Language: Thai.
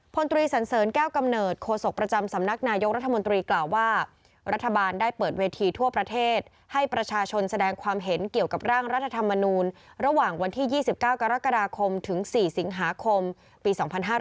พลตรีสันเสริญแก้วกำเนิดโคศกประจำสำนักนายกรัฐมนตรีกล่าวว่ารัฐบาลได้เปิดเวทีทั่วประเทศให้ประชาชนแสดงความเห็นเกี่ยวกับร่างรัฐธรรมนูลระหว่างวันที่๒๙กรกฎาคมถึง๔สิงหาคมปี๒๕๕๙